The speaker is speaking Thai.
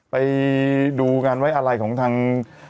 ไปดูงานไว้อะไรของทาง